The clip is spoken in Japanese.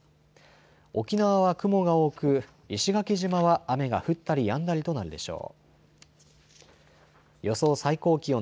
沖縄は雲が多く石垣島は雨が降ったりやんだりとなるでしょう。